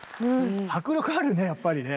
迫力あるねやっぱりね。